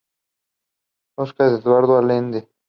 Oscar Eduardo Alende.